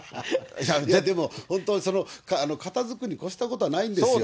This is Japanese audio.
いやでも、本当に片づくに越したことはないんですよ。